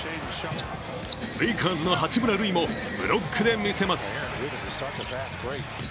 レイカーズの八村塁もブロックで見せます。